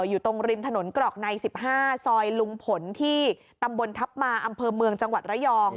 อยู่ตรงริมถนนกรอกใน๑๕ซอยลุงผลที่ตำบลทัพมาอำเภอเมืองจังหวัดระยอง